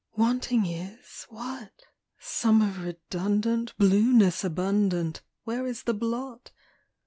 Wanting is what? Summer redundant, Blueness abundant, Where is the blot?